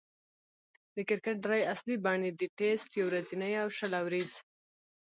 د کرکټ درې اصلي بڼې دي: ټېسټ، يو ورځنۍ، او شل اووريز.